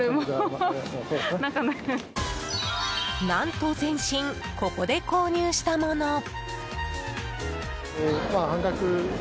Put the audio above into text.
何と全身ここで購入したもの。